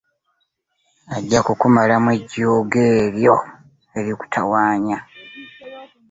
Ajja kukumalamu ejjoogo eryo erikutawaanya.